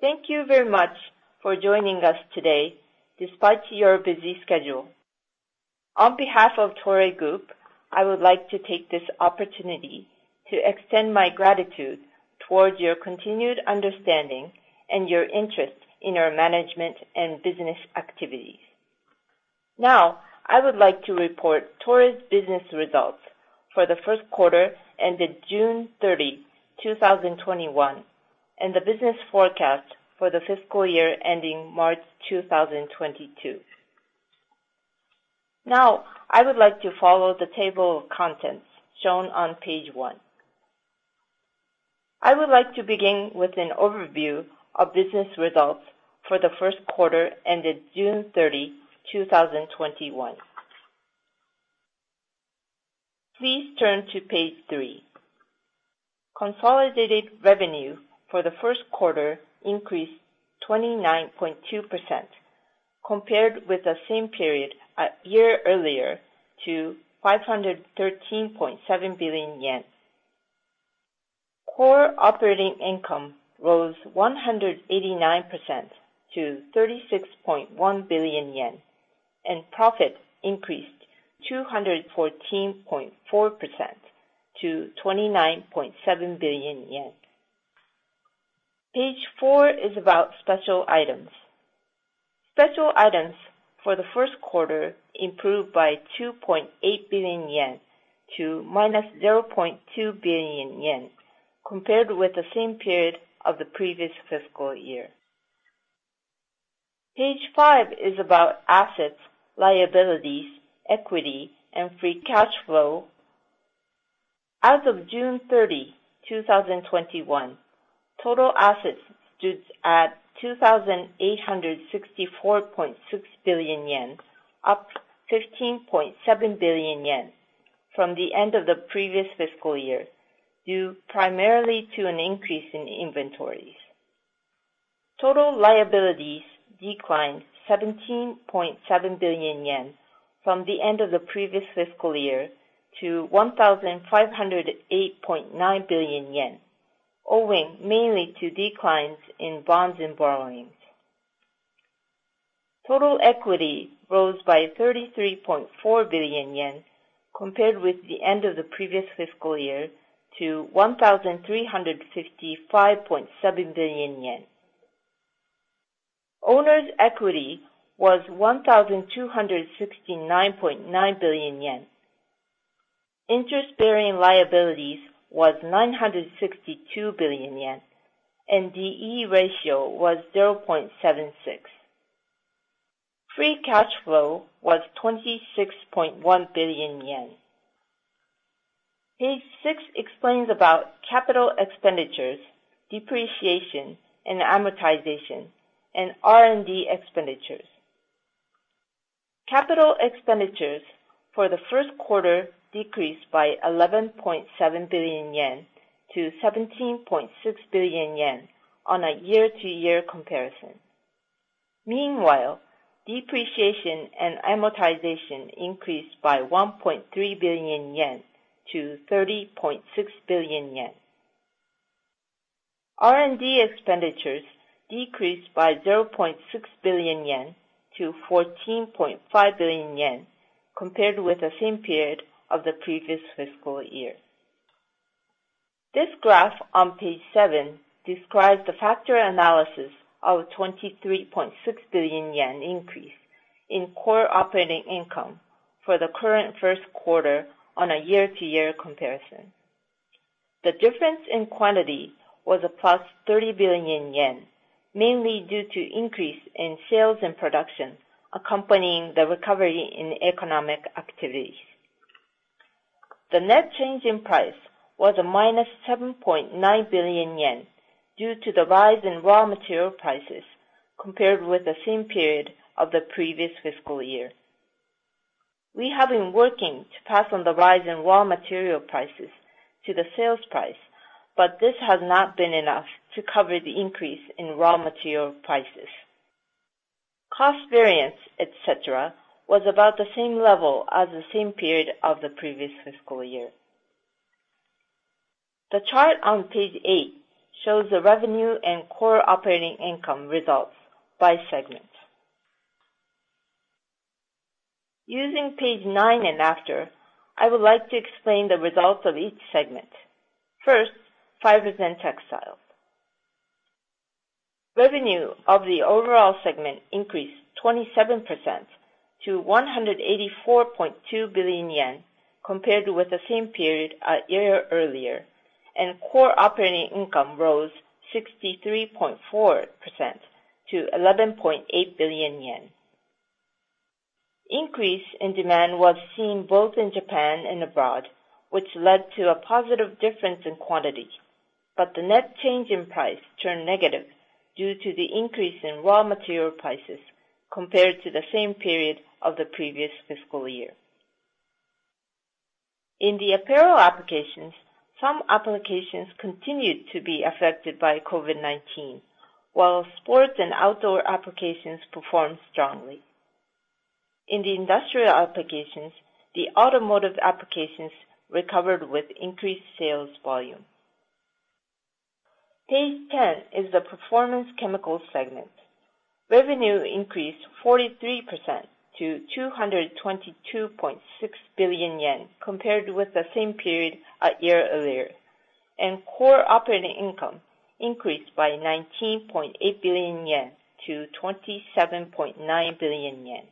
Thank you very much for joining us today despite your busy schedule. On behalf of Toray Group, I would like to take this opportunity to extend my gratitude towards your continued understanding and your interest in our management and business activities. Now, I would like to report Toray's business results for the first quarter ended June 30, 2021, and the business forecast for the fiscal year ending March 2022. Now, I would like to follow the table of contents shown on page one. I would like to begin with an overview of business results for the first quarter ended June 30, 2021. Please turn to page three. Consolidated revenue for the first quarter increased 29.2% compared with the same period a year earlier to 513.7 billion yen. Core operating income rose 189% to 36.1 billion yen and profit increased 214.4% to 29.7 billion yen. Page four is about special items. Special items for the first quarter improved by 2.8 billion yen to -0.2 billion yen compared with the same period of the previous fiscal year. Page five is about assets, liabilities, equity, and free cash flow. As of June 30, 2021, total assets stood at 2,864.6 billion yen, up 15.7 billion yen from the end of the previous fiscal year, due primarily to an increase in inventories. Total liabilities declined 17.7 billion yen from the end of the previous fiscal year to 1,508.9 billion yen, owing mainly to declines in bonds and borrowings. Total equity rose by 33.4 billion yen compared with the end of the previous fiscal year to 1,355.7 billion yen. Owner's equity was 1,269.9 billion yen. Interest-bearing liabilities was 962 billion yen. The D/E ratio was 0.76. Free cash flow was 26.1 billion yen. Page six explains about capital expenditures, depreciation, and amortization and R&D expenditures. Capital expenditures for the first quarter decreased by 11.7 billion yen to 17.6 billion yen on a year-to-year comparison. Meanwhile, depreciation and amortization increased by 1.3 billion yen to 30.6 billion yen. R&D expenditures decreased by 0.6 billion yen to 14.5 billion yen compared with the same period of the previous fiscal year. This graph on page seven describes the factor analysis of 23.6 billion yen increase in core operating income for the current first quarter on a year-to-year comparison. The difference in quantity was a +30 billion yen, mainly due to increase in sales and production accompanying the recovery in economic activities. The net change in price was a -7.9 billion yen due to the rise in raw material prices compared with the same period of the previous fiscal year. We have been working to pass on the rise in raw material prices to the sales price, but this has not been enough to cover the increase in raw material prices. Cost variance, et cetera, was about the same level as the same period of the previous fiscal year. The chart on page eight shows the revenue and core operating income results by segment. Using page nine and after, I would like to explain the results of each segment. First, Fibers and Textiles. Revenue of the overall segment increased 27% to 184.2 billion yen compared with the same period a year earlier, and core operating income rose 63.4% to JPY 11.8 billion. Increase in demand was seen both in Japan and abroad, which led to a positive difference in quantity. The net change in price turned negative due to the increase in raw material prices compared to the same period of the previous fiscal year. In the apparel applications, some applications continued to be affected by COVID-19, while sports and outdoor applications performed strongly. In the industrial applications, the automotive applications recovered with increased sales volume. Page 10 is the performance chemicals segment. Revenue increased 43% to 222.6 billion yen compared with the same period a year earlier, and core operating income increased by 19.8 billion yen to 27.9 billion yen.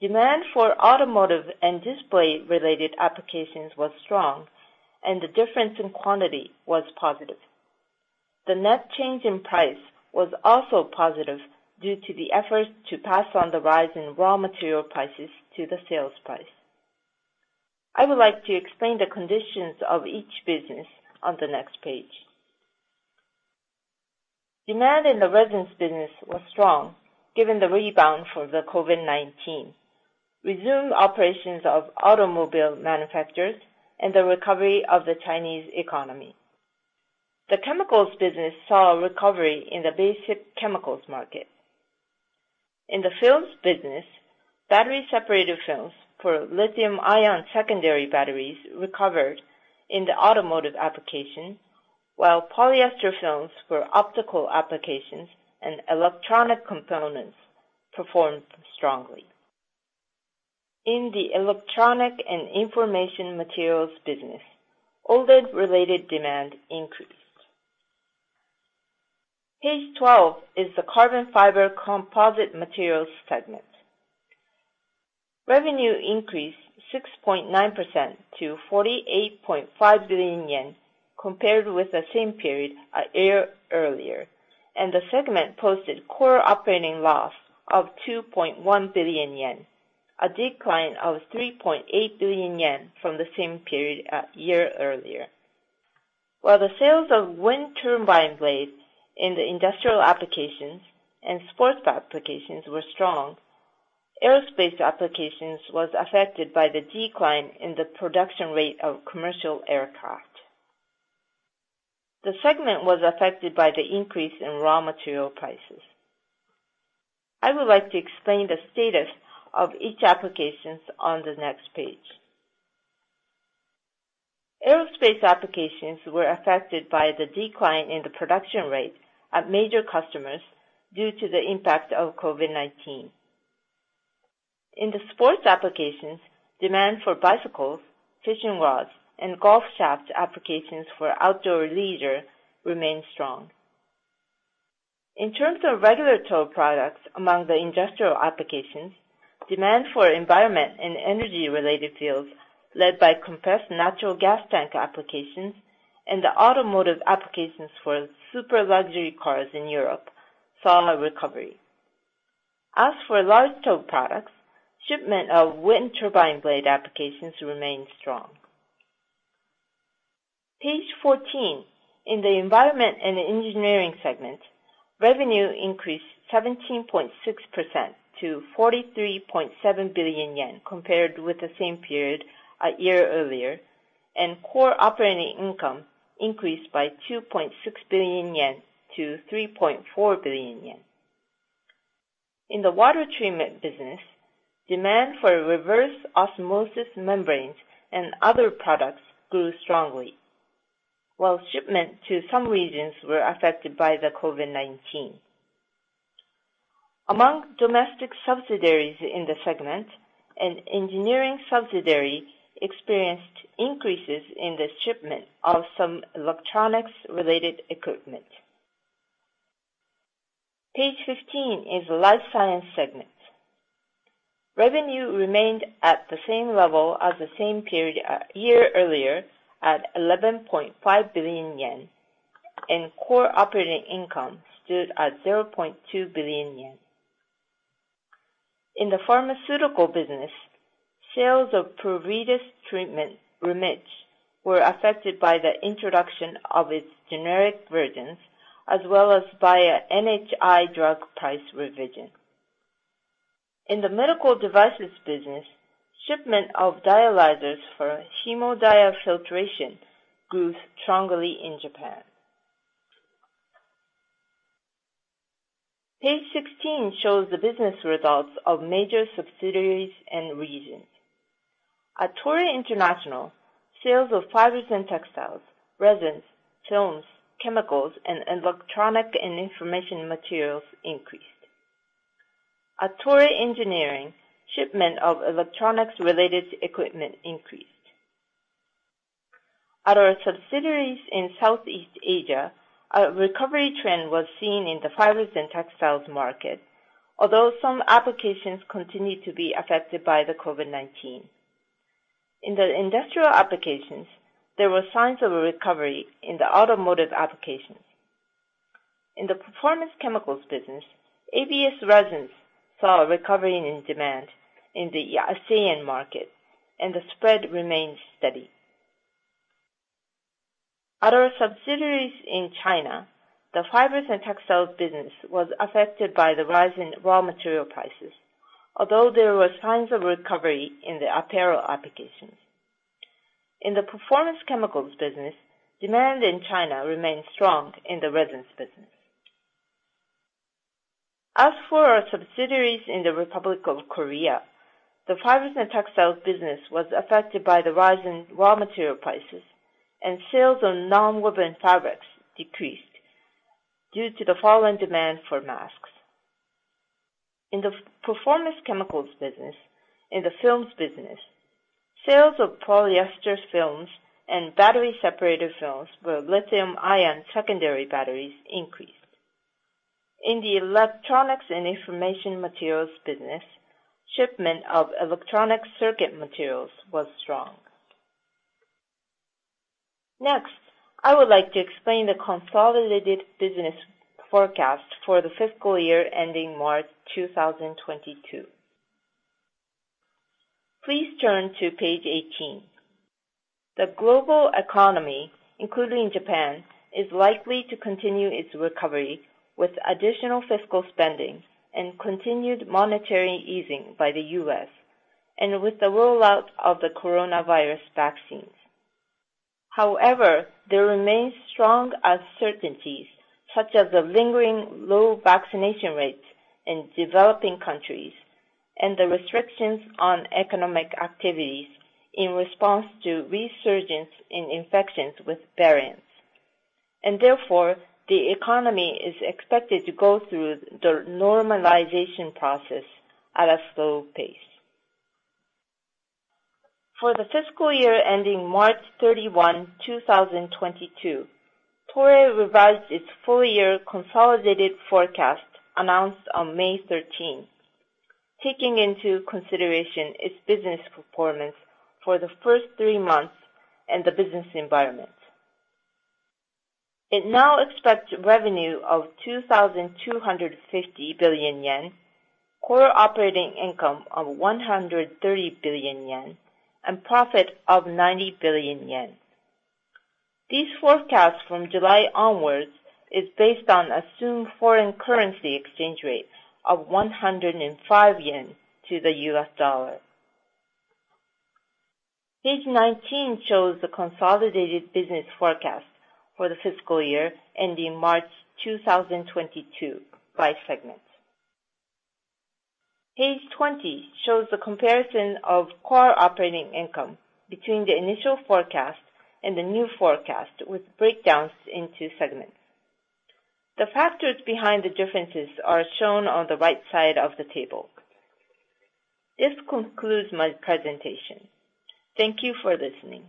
Demand for automotive and display-related applications was strong, and the difference in quantity was positive. The net change in price was also positive due to the efforts to pass on the rise in raw material prices to the sales price. I would like to explain the conditions of each business on the next page. Demand in the resins business was strong given the rebound from the COVID-19, resume operations of automobile manufacturers, and the recovery of the Chinese economy. The chemicals business saw a recovery in the basic chemicals market. In the films business, battery separator films for lithium-ion secondary batteries recovered in the automotive application, while polyester films for optical applications and electronic components performed strongly. In the electronic and information materials business, OLED-related demand increased. Page 12 is the carbon fiber composite materials segment. Revenue increased 6.9% to 48.5 billion yen compared with the same period a year earlier, and the segment posted core operating loss of 2.1 billion yen, a decline of 3.8 billion yen from the same period a year earlier. While the sales of wind turbine blades in the industrial applications and sports applications were strong, aerospace applications was affected by the decline in the production rate of commercial aircraft. The segment was affected by the increase in raw material prices. I would like to explain the status of each applications on the next page. aerospace applications were affected by the decline in the production rate at major customers due to the impact of COVID-19. In the sports applications, demand for bicycles, fishing rods, and golf shaft applications for outdoor leisure remained strong. In terms of regulatory products among the industrial applications, demand for environment and energy-related fields led by compressed natural gas tank applications and the automotive applications for super luxury cars in Europe saw a recovery. As for large tow products, shipment of wind turbine blade applications remained strong. Page 14. In the Environment and Engineering segment, revenue increased 17.6% to 43.7 billion yen compared with the same period a year earlier, and core operating income increased by 2.6 billion yen to 3.4 billion yen. In the water treatment business, demand for reverse osmosis membranes and other products grew strongly, while shipment to some regions were affected by the COVID-19. Among domestic subsidiaries in the segment, an engineering subsidiary experienced increases in the shipment of some electronics-related equipment. Page 15 is the life science segment. Revenue remained at the same level as the same period a year earlier at 11.5 billion yen, and core operating income stood at 0.2 billion yen. In the pharmaceutical business, sales of pruritus treatment Remitch were affected by the introduction of its generic versions as well as by a NHI drug price revision. In the medical devices business, shipment of dialyzers for hemodiafiltration grew strongly in Japan. Page 16 shows the business results of major subsidiaries and regions. At Toray International, sales of fibers and textiles, resins, films, chemicals, and electronic and information materials increased. At Toray Engineering, shipment of electronics-related equipment increased. At our subsidiaries in Southeast Asia, a recovery trend was seen in the fibers and textiles market, although some applications continued to be affected by the COVID-19. In the industrial applications, there were signs of a recovery in the automotive applications. In the performance chemicals business, ABS resins saw a recovery in demand in the ASEAN market, and the spread remained steady. At our subsidiaries in China, the fibers and textiles business was affected by the rise in raw material prices, although there were signs of recovery in the apparel applications. In the performance chemicals business, demand in China remained strong in the resins business. As for our subsidiaries in the Republic of Korea, the fibers and textiles business was affected by the rise in raw material prices, and sales of nonwoven fabrics decreased due to the fall in demand for masks. In the performance chemicals business, in the films business, sales of polyester films and battery separator films for lithium-ion secondary batteries increased. In the Electronics and Information Materials Business, shipment of electronic circuit materials was strong. Next, I would like to explain the consolidated business forecast for the fiscal year ending March 2022. Please turn to page 18. The global economy, including Japan, is likely to continue its recovery with additional fiscal spending and continued monetary easing by the U.S. and with the rollout of the coronavirus vaccines. However, there remains strong uncertainties, such as the lingering low vaccination rates in developing countries and the restrictions on economic activities in response to resurgence in infections with variants. Therefore, the economy is expected to go through the normalization process at a slow pace. For the fiscal year ending March 31, 2022, Toray revised its full-year consolidated forecast announced on May 13th, taking into consideration its business performance for the first three months and the business environment. It now expects revenue of 2,250 billion yen, core operating income of 130 billion yen, and profit of 90 billion yen. These forecasts from July onwards is based on assumed foreign currency exchange rates of 105 yen to the US dollar. Page 19 shows the consolidated business forecast for the fiscal year ending March 2022 by segment. Page 20 shows a comparison of core operating income between the initial forecast and the new forecast, with breakdowns into segments. The factors behind the differences are shown on the right side of the table. This concludes my presentation. Thank you for listening.